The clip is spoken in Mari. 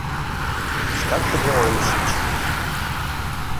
Шкак тыге ойлышыч.